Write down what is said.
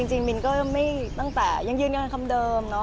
เรายังเยื่อนข้างคำเดิม